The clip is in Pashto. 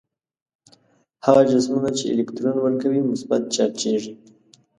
هغه جسمونه چې الکترون ورکوي مثبت چارجیږي.